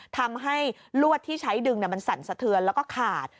ทำให้ลวดที่ใช้ดึงมันสั่นสะเทือนแล้วก็ขาด